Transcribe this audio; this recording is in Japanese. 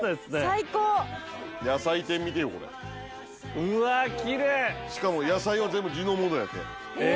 最高うわきれいしかも野菜は全部地のものやてえ！？